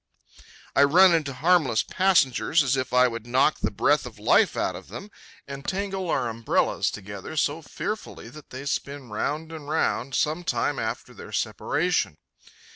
I run into harmless passengers as if I would knock the breath of life out of them, and tangle our umbrellas together so fearfully that they spin round and round some time after their separation.